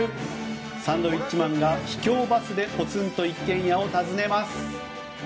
サンドウィッチマンが秘境バスでポツンと一軒家を訪ねます。